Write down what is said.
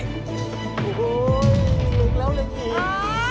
โอ้โฮลึกแล้วลึกอีก